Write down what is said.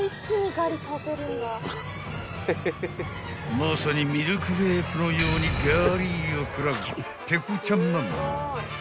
［まさにミルクレープのようにガリを食らうペコちゃんママ］